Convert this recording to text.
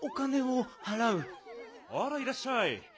あらいらっしゃい。